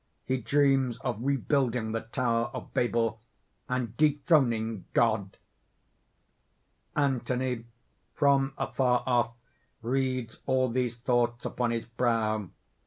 He dreams of rebuilding the tower of Babel, and dethroning God._ _Anthony, from afar off, reads all these thoughts upon his brow.